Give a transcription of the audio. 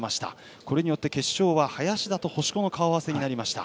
これによって決勝は林田と星子の顔合わせになりました。